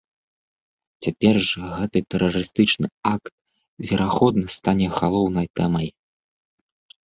Цяпер жа гэты тэрарыстычны акт, верагодна, стане галоўнай тэмай.